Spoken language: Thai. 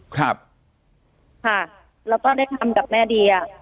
ค่ะเราก็ได้ทำกับแม่เดีย